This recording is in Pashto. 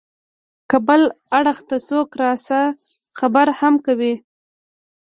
که بل اړخ ته څوک راسا خبره هم کوي.